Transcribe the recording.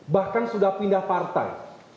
bahkan sudah pindah partai